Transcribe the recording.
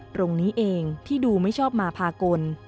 ตรงนี้เองที่ดูไม่ชอบมาพากล